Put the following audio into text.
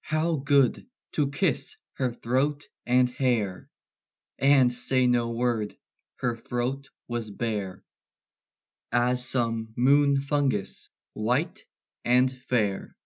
How good to kiss her throat and hair, And say no word! Her throat was bare; As some moon fungus white and fair.